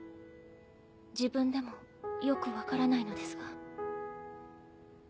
自分でもよく分からないのですが。